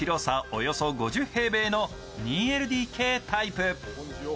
およそ５０平米の２ＬＤＫタイプ。